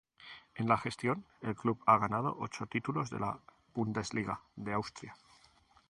En la gestión, el club ha ganado ocho títulos de la Bundesliga de Austria.